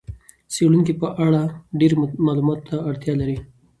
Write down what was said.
څېړونکي په اړه ډېرې مطالعاتو ته اړتیا لري.